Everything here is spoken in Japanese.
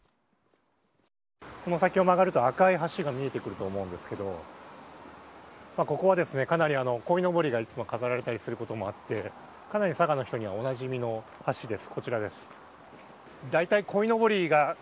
この先を曲がると、赤い橋が見えてくると思うんですけどここはかなり、こいのぼりがいつも飾られることもあって佐賀の人にとってはおなじみの橋です。